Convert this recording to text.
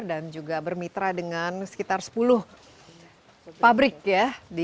dan juga bermitra dengan sekitar sepuluh pabrik ya